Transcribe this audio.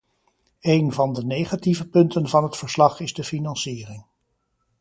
Een van de negatieve punten van het verslag is de financiering.